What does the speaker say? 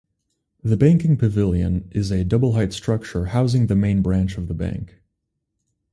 The banking pavilion is a double-height structure housing the main branch of the bank.